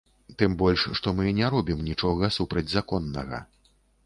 Тым больш, што мы не робім нічога супрацьзаконнага.